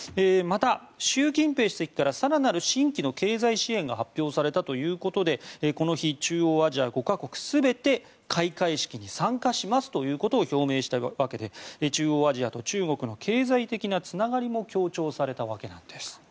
また、習近平主席から更なる新規の経済支援が示されたということでこの日、中央アジア５か国全て開会式に参加しますということを表明したわけで中央アジアと中国の経済的なつながりも示されたわけです。